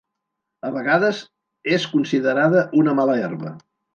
A vegades és considerada una mala herba.